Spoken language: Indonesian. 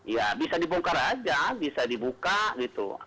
ya bisa dibongkar aja bisa dibuka gitu